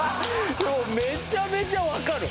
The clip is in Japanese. でもめちゃめちゃわかる。